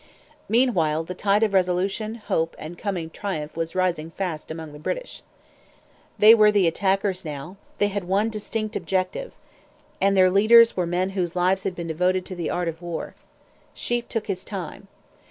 Meanwhile the tide of resolution, hope, and coming triumph was rising fast among the British. They were the attackers now; they had one distinct objective; and their leaders were men whose lives had been devoted to the art of war. Sheaffe took his time.